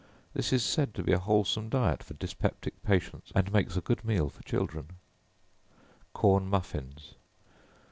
This is said to be a wholesome diet for dyspeptic patients, and makes a good meal for children. Corn Muffins.